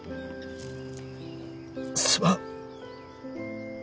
すまん！